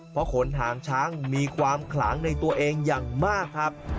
เพราะขนหางช้างมีความขลังในตัวเองอย่างมากครับ